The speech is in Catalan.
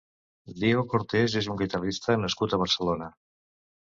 Diego Cortés és un guitarrista nascut a Barcelona.